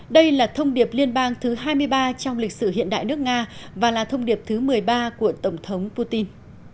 đây là thông điệp liên bang thứ hai mươi ba trong lịch sử hiện đại nước nga và là thông điệp thứ một mươi ba của tổng thống putin